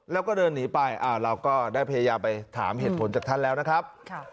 แล้วก็เดินหนีไปเราก็ได้พยายามไปถามเหตุผลจากท่านแล้วนะครับ